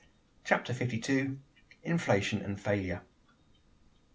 CHAPTER FIFTY TWO. INFLATION AND FAILURE.